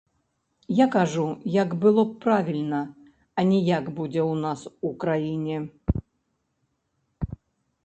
Я кажу, як было б правільна, а не як будзе ў нас у кране.